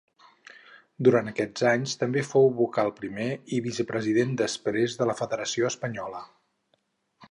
Durant aquests anys també fou vocal primer i vicepresident després de la Federació Espanyola.